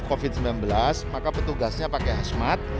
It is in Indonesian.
covid sembilan belas maka petugasnya pakai hasmat